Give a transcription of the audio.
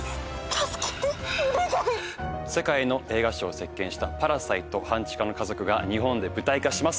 助けてお願い世界の映画賞を席けんした「パラサイト半地下の家族」が日本で舞台化します